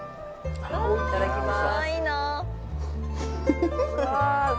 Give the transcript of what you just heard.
これいただきます